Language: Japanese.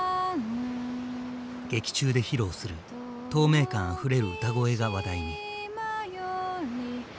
劇中で披露する透明感あふれる歌声が話題に。